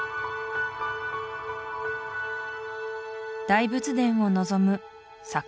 大仏殿を望む桜